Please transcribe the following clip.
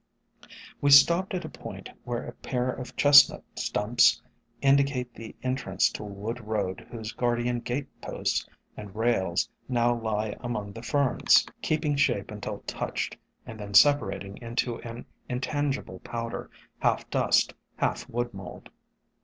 We stopped at a point where a pair of Chestnut stumps indicate the entrance to a wood road whose guardian gate posts and rails now lie among the Ferns, keeping shape until touched, and then sepa 132 SOME HUMBLE ORCHIDS rating into an intangible powder, half dust, half wood mold.